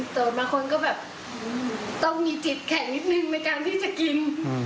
เปิดมาคนก็แบบต้องมีจิตแข็งนิดนึงในการที่จะกิน